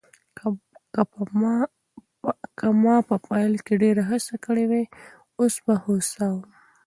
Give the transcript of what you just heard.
که ما په پیل کې ډېره هڅه کړې وای، اوس به هوسا وم.